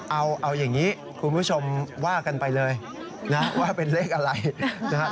เอาอย่างนี้คุณผู้ชมว่ากันไปเลยนะว่าเป็นเลขอะไรนะฮะ